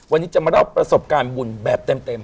วันนี้จะมาเล่าประสบการณ์บุญแบบเต็ม